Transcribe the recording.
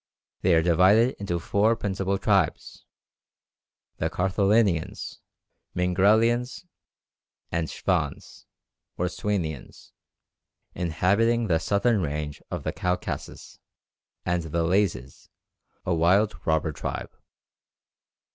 They are divided into four principal tribes the Karthalinians, Mingrelians, and Shvans (or Swanians), inhabiting the southern range of the Caucasus, and the Lazes, a wild robber tribe.